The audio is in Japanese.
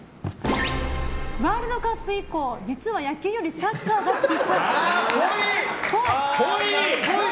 ワールドカップ以降実は、野球よりサッカーが好きっぽい。